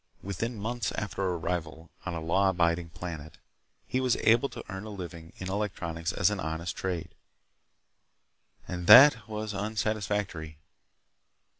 Within months after arrival on a law abiding planet, he was able to earn a living in electronics as an honest trade. And that was unsatisfactory.